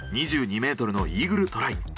２２ｍのイーグルトライ。